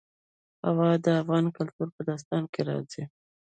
هوا د افغان کلتور په داستانونو کې راځي.